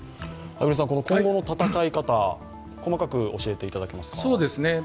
今後の戦い方、細かく教えていただけますか。